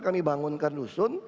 kami bangunkan rusun